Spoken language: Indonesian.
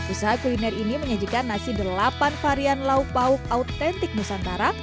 usaha kuliner ini menyajikan nasi delapan varian lauk lauk autentik nusantara